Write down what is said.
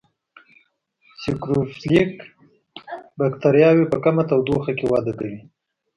سیکروفیلیک بکټریاوې په کمه تودوخه کې وده کوي.